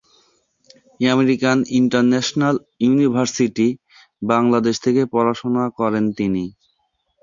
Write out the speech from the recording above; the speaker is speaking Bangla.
আমেরিকান ইন্টারন্যাশনাল ইউনিভার্সিটি-বাংলাদেশ থেকে পড়াশোনা করেন তিনি।